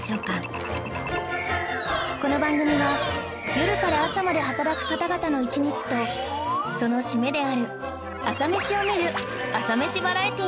この番組は夜から朝まで働く方々の一日とその締めである朝メシを見る朝メシバラエティなのです